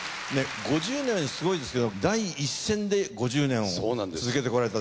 ５０年すごいですけど第一線で５０年を続けてこられた。